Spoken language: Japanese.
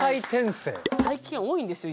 最近多いんですよ